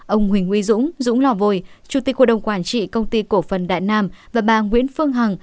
ông huỳnh uy dũng dũng lò vồi chủ tịch hội đồng quản trị công ty cổ phần đại nam và bà nguyễn phương hằng